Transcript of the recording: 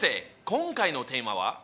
今回のテーマは？